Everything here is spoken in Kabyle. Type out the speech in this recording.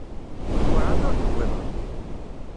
Werɛad ur d-wwiḍent?